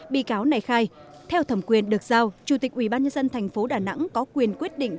bị cáo này khai theo thẩm quyền được giao chủ tịch ubnd tp đà nẵng có quyền quyết định